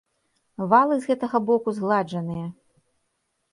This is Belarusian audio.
Валы з гэтага боку згладжаныя.